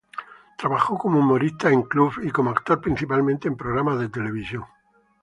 Trabajó como humorista en clubes y como actor principalmente en programas de televisión.